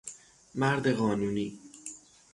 مرد قانونی